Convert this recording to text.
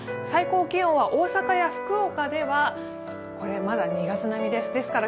最高気温は大阪や福岡ではまだ２月並みです。